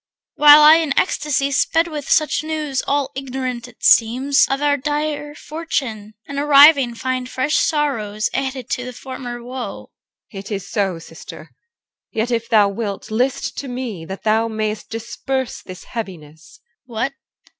While I in ecstasy Sped with such news, all ignorant, it seems, Of our dire fortune; and, arriving, find Fresh sorrows added to the former woe. EL. It is so, sister; yet if thou wilt list To me, thou mayest disperse this heaviness. CHR. What?